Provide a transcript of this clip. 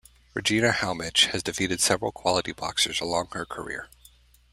Regina Halmich has defeated several quality boxers along her career.